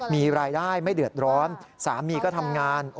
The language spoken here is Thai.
มีรายได้ไม่เดือดร้อนสามีก็ทำงาน